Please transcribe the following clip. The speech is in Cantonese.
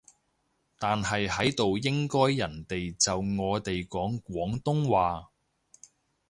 但係喺度應該人哋就我哋講廣東話